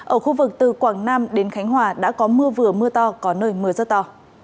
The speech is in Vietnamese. ở khu vực từ quảng nam đến khánh hòa đã có mưa vừa mưa to có nơi mưa rất to